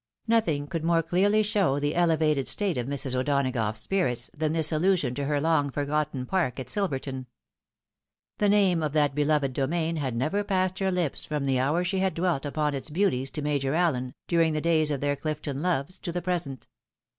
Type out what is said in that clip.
Nothing could more clearly show the elevated state of Mrsj O'Donagough's spirits than this allusion to her long forgotten park at Silverton. The name of that beloved domain had never passed her hps from the hour she had dwelt upon its beauties to Major Allen, during the days of their CUfton loves, to the pre sent.